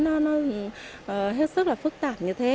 nó hết sức là phức tạp như thế